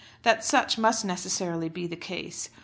that such must necessarily be the case.